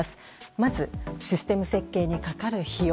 まず、システム設計にかかる費用